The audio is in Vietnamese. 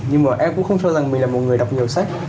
nhưng mà em cũng không cho rằng mình là một người đọc nhiều sách